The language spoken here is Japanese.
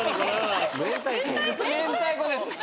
明太子ですね。